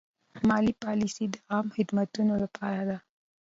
مالي پالیسي د عامه خدماتو لپاره ده.